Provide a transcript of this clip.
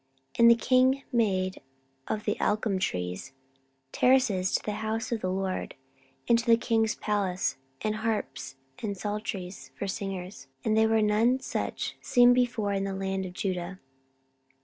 14:009:011 And the king made of the algum trees terraces to the house of the LORD, and to the king's palace, and harps and psalteries for singers: and there were none such seen before in the land of Judah.